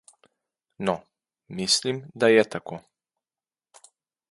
No, mislim, da je tako.